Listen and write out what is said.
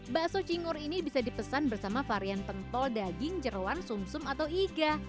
bakso cingur ini bisa dipesan bersama varian pentol daging jeruan sum sum atau iga